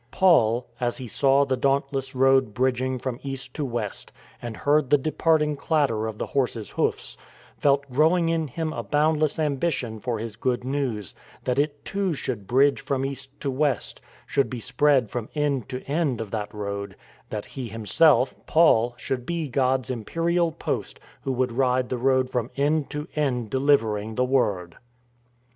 Paul — ^as he saw the dauntless road bridging from east to west, and heard the departing clatter of the horses' hoofs — felt growing in him a boundless ambi tion for his Good News, that it too should bridge from east to west, should be spread from end to end of that WORSHIPPED AND STONED 141 road; that he himself, Paul, should be God's Imperial Post who would ride the road from end to end de livering the Word.